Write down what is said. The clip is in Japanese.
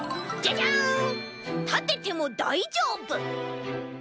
たててもだいじょうぶ！